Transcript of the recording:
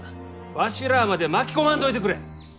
わしらまで巻き込まんといてくれ！